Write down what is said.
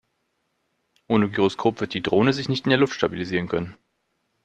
Ohne Gyroskop wird die Drohne sich nicht in der Luft stabilisieren können.